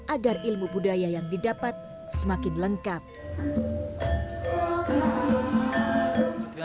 agar ilmu budaya yang didapatkan ini bisa berhasil menjaga kelas sekolah dan kelas kelas sekolah